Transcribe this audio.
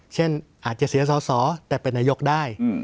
เช่นอาจจะเสียสอสอแต่เป็นนายกได้